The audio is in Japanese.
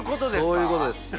そういうことです！